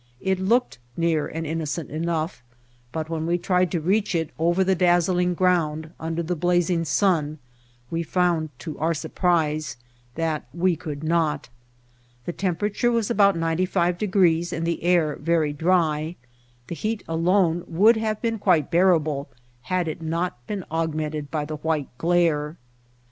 It looked near and innocent enough, but when we tried to reach it over the dazzling ground under the blazing sun we found, to our surprise, that we could not. The temperature was about 95 degrees, and the air very dry. The heat alone would have been quite bearable had it not been augmented by the white glare.